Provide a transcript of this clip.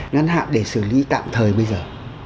ngắn hạn để xử lý tạm thời bây giờ